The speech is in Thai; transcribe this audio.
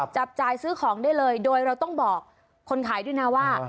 จับจ่ายซื้อของได้เลยโดยเราต้องบอกคนขายด้วยนะว่า